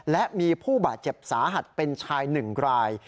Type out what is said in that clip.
และมีผู้บาดเจ็บสาหัสเป็นชาย๑ราย